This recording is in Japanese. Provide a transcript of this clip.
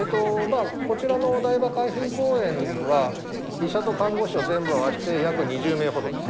こちらのお台場海浜公園は、医者と看護師を全部合わせて約２０名ほどです。